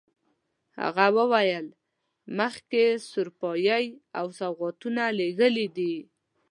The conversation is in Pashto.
هغه وویل مخکې سروپايي او سوغاتونه لېږلي دي.